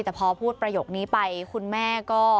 แต่พอพูดประโยคนี้ไปคุณแม่ก็